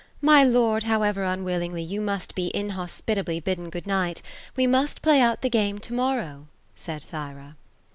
My lord, how ever unwillingly, you must be inhospitably bidden good night We must play out the game to morrow ;" said Thyra.